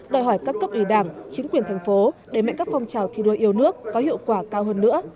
đòi hỏi các cấp ủy đảng chính quyền thành phố để mệnh các phong trào thi đua yêu nước có hiệu quả cao hơn nữa